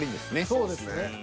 そうですね。